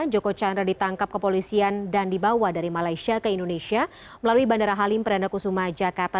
joko chandra ditangkap kepolisian dan dibawa dari malaysia ke indonesia melalui bandara halim perdana kusuma jakarta